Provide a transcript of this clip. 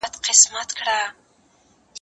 تا چي ول څوک راروان دی